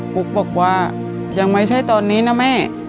ปุ๊กบอกว่ายังไม่ใช่ตอนนี้นะแม่